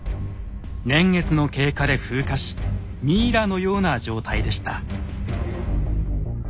年月の経過で風化しミイラのような状態でした。